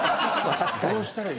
確かにどうしたらいい？